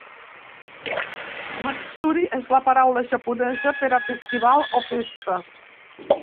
Matsuri és la paraula japonesa per a festival o festa.